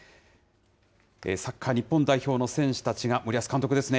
サッカー日本代表の選手たちが、森保監督ですね。